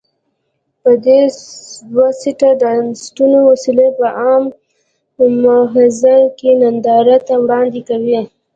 په دوه سیټه ډاټسنونو کې وسلې په عام محضر کې نندارې ته وړاندې کوي.